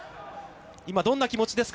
今、どんな気持ちですか。